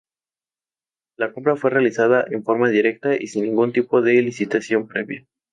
La compra fue realizada en forma directa y sin ningún tipo de licitación previa.